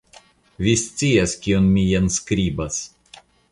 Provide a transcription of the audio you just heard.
Vi scias kion jen mi skribas!